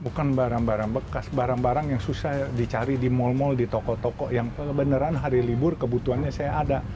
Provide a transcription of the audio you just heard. bukan barang barang bekas barang barang yang susah dicari di mal mal di toko toko yang kebenaran hari libur kebutuhannya saya ada